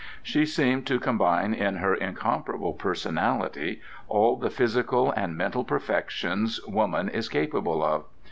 She seemed to combine in her incomparable personality all the physical and mental perfections woman is capable of.